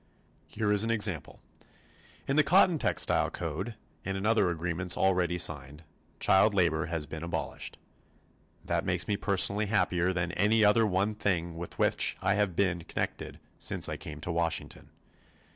Here is an example. In the Cotton Textile Code and in other agreements already signed, child labor has been abolished. That makes me personally happier than any other one thing with which I have been connected since I came to Washington.